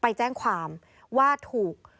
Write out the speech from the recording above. ไปแจ้งความว่าถูก